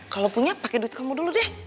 kalau punya pakai duit kamu dulu deh